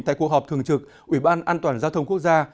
tại cuộc họp thường trực ủy ban an toàn giao thông quốc gia